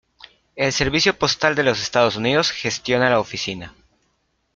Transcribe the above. El Servicio Postal de los Estados Unidos gestiona la oficina.